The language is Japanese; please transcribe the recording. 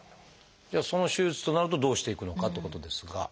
じゃあその手術となるとどうしていくのかっていうことですが。